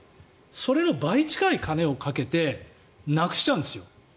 それの倍近い金をかけてなくしちゃうんですよ。